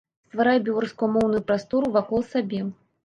Стварай беларускамоўную прастору вакол сабе.